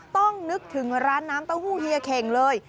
ต้องนึกถึงร้านน้ำเต้าหู้เฮียเข่งเลย